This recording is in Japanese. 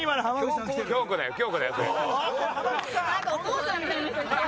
なんかお父さんみたいな人が。